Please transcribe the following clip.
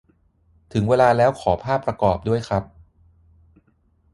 ถึงเวลาแล้วขอภาพประกอบด้วยครับ